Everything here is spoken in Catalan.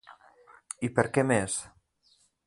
I per què més?